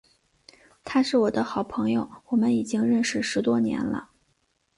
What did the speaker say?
他是我的好朋友，我们已经认识十多年了。